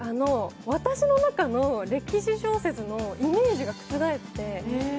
私の中の歴史小説のイメージが覆って。